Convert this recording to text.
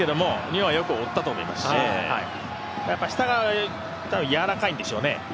日本はよく追ったと思いますし下がやわらかいんでしょうね